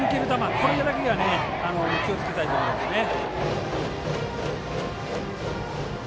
これだけが気をつけたいところですね。